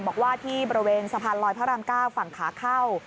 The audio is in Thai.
บอกว่าที่บริเวณสะพานลอยพระราม๙ฝั่งขาเข้า